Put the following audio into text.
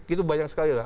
itu banyak sekali lah